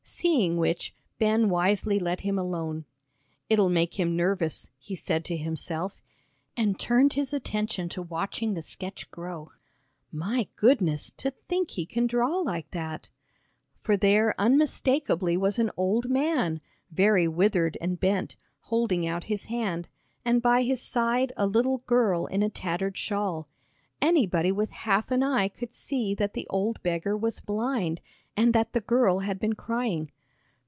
Seeing which, Ben wisely let him alone. "It'll make him nervous," he said to himself, and turned his attention to watching the sketch grow. "My goodness, to think he can draw like that!" For there unmistakably was an old man, very withered and bent, holding out his hand, and by his side a little girl in a tattered shawl. Anybody with half an eye could see that the old beggar was blind, and that the girl had been crying.